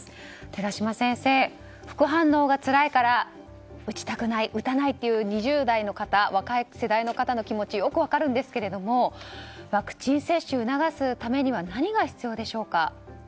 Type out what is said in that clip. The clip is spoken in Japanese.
寺嶋先生、副反応がつらいから打ちたくない、打たないという２０代の方、若い世代の方の気持ちもよく分かるんですけれどもワクチン接種を促すためには何が必要でしょうか。